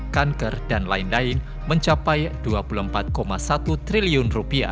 kanker dan lain lain mencapai rp dua puluh empat satu triliun